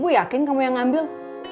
aku yakin kamu yang ngambil